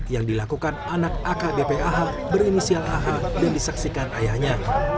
yang dilakukan anak akbp ah berinisial aha dan disaksikan ayahnya